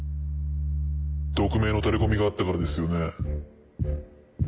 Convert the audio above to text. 匿名のタレコミがあったからですよね？